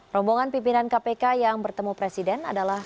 rombongan pimpinan kpk yang bertemu presiden adalah